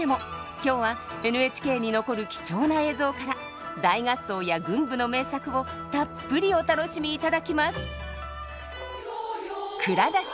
今日はＮＨＫに残る貴重な映像から大合奏や群舞の名作をたっぷりお楽しみいただきます。